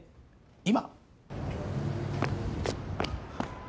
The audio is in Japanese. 今？